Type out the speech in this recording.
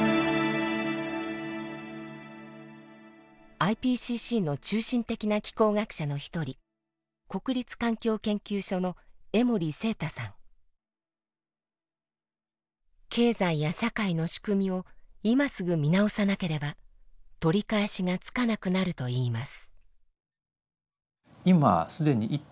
ＩＰＣＣの中心的な気候学者の一人経済や社会の仕組みを今すぐ見直さなければ取り返しがつかなくなるといいます。